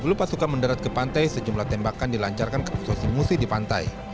sebelum pasukan menderat ke pantai sejumlah tembakan dilancarkan ke pososi musuh di pantai